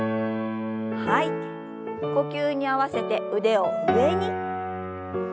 呼吸に合わせて腕を上に。